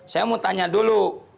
saya mau tanya dulu